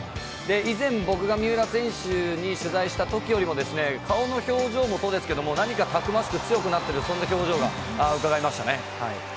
以前、僕が三浦選手に取材したときよりも顔の表情もそうですけど何かたくましく、強くなっているそんな表情がうかがえました。